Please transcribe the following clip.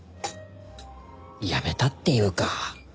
辞めたっていうか。